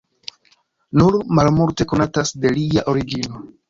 Nur malmulte konatas de lia origino.